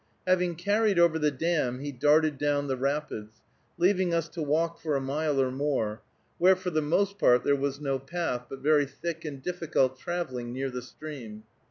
Having carried over the dam, he darted down the rapids, leaving us to walk for a mile or more, where for the most part there was no path, but very thick and difficult traveling near the stream.